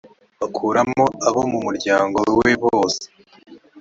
bakuramo abo mu muryango we bose